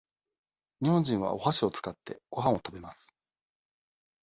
日本人はおはしを使って、ごはんを食べます。